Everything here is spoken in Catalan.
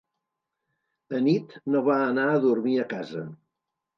Anit no va anar a dormir a casa.